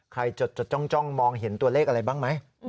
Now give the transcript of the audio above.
จดจ้องมองเห็นตัวเลขอะไรบ้างไหม